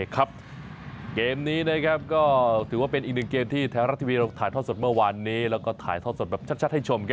เกมนี้ก็ถือว่าเป็นอีกหนึ่งเกมที่ไทยรัฐทีวีเราถ่ายทอดสดเมื่อวานนี้แล้วก็ถ่ายทอดสดแบบชัดให้ชม